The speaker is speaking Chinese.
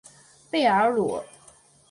贝尔卢。